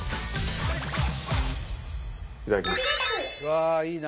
いただきます。